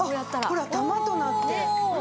ほら玉となって。